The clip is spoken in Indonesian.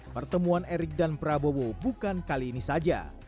pertemuan erik dan prabowo bukan kali ini saja